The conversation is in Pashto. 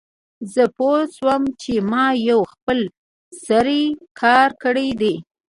زه پوه شوم چې ما یو خپل سری کار کړی دی